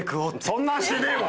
そんなんしてねえわ！